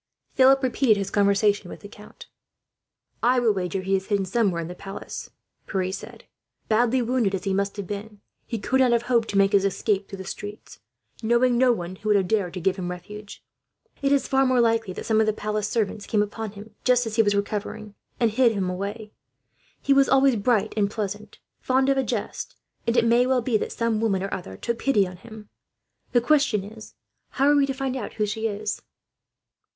Philip repeated his conversation with the count. "I will wager he is hidden somewhere in the palace," Pierre said. "Badly wounded as he must have been, he could not have hoped to make his escape through the streets, knowing no one who would have dared to give him refuge. It is far more likely that some of the palace servants came upon him, just as he was recovering, and hid him away. He was always bright and pleasant, fond of a jest, and it may well be that some woman or other took pity on him. The question is, how are we to find out who she is?"